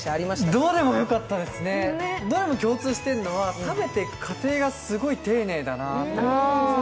どれもよかったですね、どれも共通しているのは食べてる過程がすごい丁寧だなって。